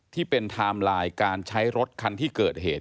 ไทม์ไลน์การใช้รถคันที่เกิดเหตุ